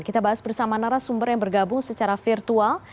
kita bahas bersama narasumber yang bergabung secara virtual